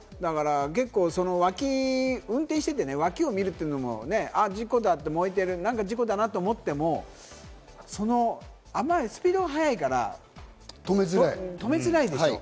だから運転していて脇を見るっていうのも事故だって、燃えてる、事故だと思ってもスピードが速いから、止めづらいでしょ。